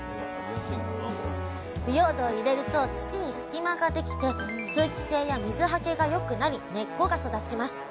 腐葉土を入れると土に隙間ができて通気性や水はけがよくなり根っこが育ちます。